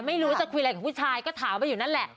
ไม่รู้จะคุยอะไรกับผู้ชายก็ถามไปอยู่นั่นแหละ